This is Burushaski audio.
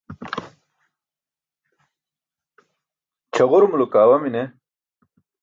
chaġurumulo kaawa mine